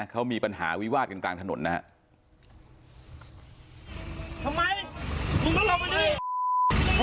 เขามีปัญหาวิวาดกันกลางถนนนะครับ